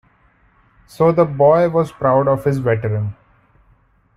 So the boy was proud of his veteran.